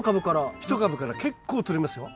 １株から結構とれますよ。